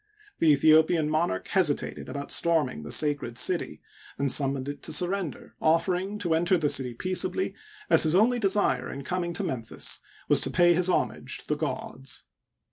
The Aethiopian monarch hesitated about storming the sacred city, and summoned it to surrender, offering to enter the city peaceably, as his only desire in coming to Memphis was to pay his homage to the gods.